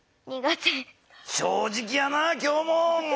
正直やな今日も。